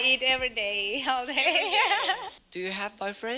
มีคุณรักษาไหมไม่ไม่มี